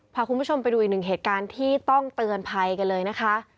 พาคุณผู้ชมไปดูอีกหนึ่งเหตุการณ์ที่ต้องเตือนภัยกันเลยนะคะ